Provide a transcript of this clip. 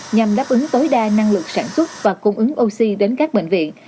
nhằm đáp ứng tối đa năng lực sản xuất và cung ứng oxy đến các bệnh viện